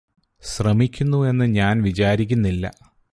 ശ്രമിക്കുന്നു എന്ന് ഞാന് വിചാരിക്കുന്നില്ല